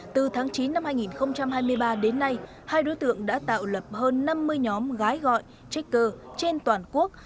từ tháng chín năm hai nghìn hai mươi ba đến nay hai đối tượng đã tạo lập hơn năm mươi nhóm gái gọi trích cơ trên toàn quốc